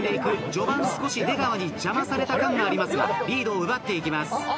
序盤少し出川に邪魔された感がありますがリードを奪っていきます。